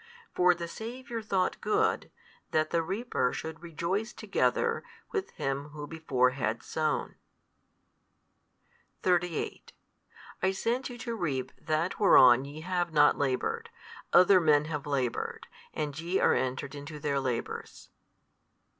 For the Saviour thought good, that the reaper should rejoice together with him who before had sown. 38 I sent you to reap that whereon YE have not laboured: other men have laboured, and YE are entered into their labours.